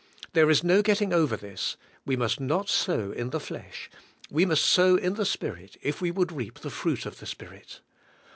There is no getting over this, we must not sow in the flesh, we must sow in the Spirit if we would reap the fruit of the Spirit.